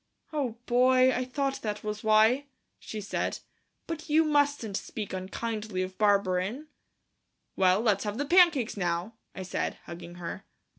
"Oh, boy, I thought that was why," she said, "but you mustn't speak unkindly of Barberin." "Well, let's have the pancakes now," I said, hugging her.